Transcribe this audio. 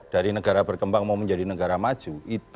dari negara berkembang mau menjadi negara maju